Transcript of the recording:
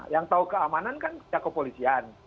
yang tahu keamanan kan pihak kepolisian